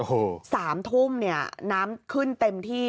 โอ้โหสามทุ่มเนี่ยน้ำขึ้นเต็มที่